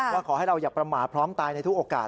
ว่าขอให้เราอย่าประมาทพร้อมตายในทุกโอกาส